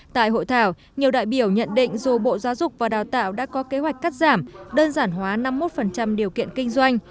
tại hội thảo nhiều đại biểu nhận định dù bộ giáo dục và đào tạo đã có kế hoạch cắt giảm đơn giản hóa năm mươi một điều kiện kinh doanh